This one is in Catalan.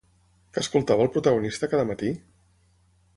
Què escoltava el protagonista cada matí?